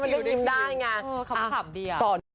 มันดึงดึงได้ไง